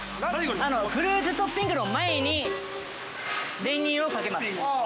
◆フルーツトッピングの前に練乳をかけます。